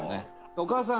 お母さん！